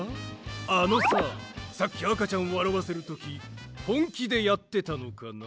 あのささっきあかちゃんわらわせるときほんきでやってたのかな？